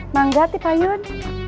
manggat pak yun